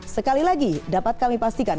sekali lagi dapat kami pastikan